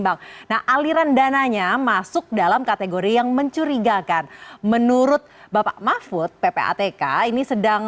bank nah aliran dananya masuk dalam kategori yang mencurigakan menurut bapak mahfud ppatk ini sedang